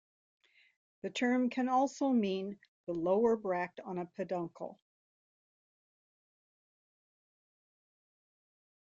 The term can also mean the lower bract on a peduncle.